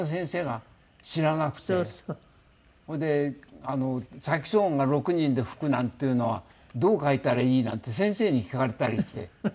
それで「サクソフォンが６人で吹くなんていうのはどう書いたらいい？」なんて先生に聞かれたりして。